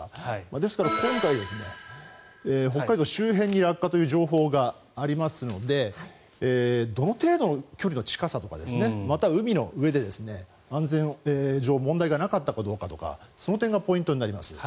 ですから、今回北海道周辺に落下という情報がありますのでどの程度の距離の近さとかまたは海の上で安全上問題がなかったかどうかとかその点がポイントになります。